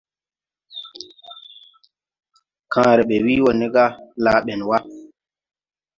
Kããre ɓɛ wii wo ne ga : Laa ben wa!